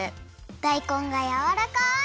だいこんがやわらかい！